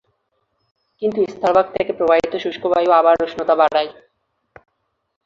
কিন্তু স্থলভাগ থেকে প্রবাহিত শুষ্ক বায়ু আবার উষ্ণতা বাড়ায়।